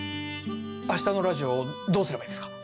明日のラジオどうすればいいですか？